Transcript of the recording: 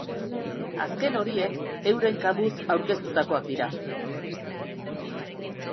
Azken horiek euren kabuz aurkeztutakoak dira.